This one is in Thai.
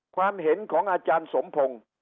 ความเห็นของอาจารย์สมพงศ์